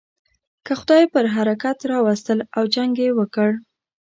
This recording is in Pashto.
که خدای پر حرکت را وستل او جنګ یې وکړ.